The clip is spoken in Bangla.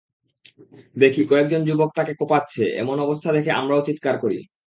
দেখি কয়েকজন যুবক তাঁকে কোপাচ্ছে, এমন অবস্থা দেখে আমরাও চিৎকার করি।